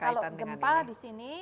kalau gempa di sini